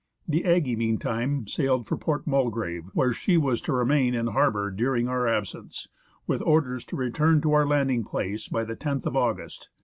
The Aggie meantime sailed for Port Mulgrave, where she was to remain in harbour during our absence, with orders to return to our landing place by the loth of August.